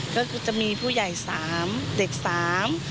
ก็คือจะมีผู้ใหญ่สามเด็กสาม